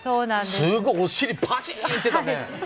すごいお尻ぱちーんいってたね。